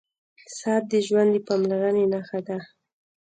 • ساعت د ژوند د پاملرنې نښه ده.